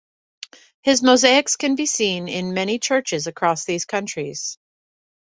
His mosaics can be seen in many churches across these countries.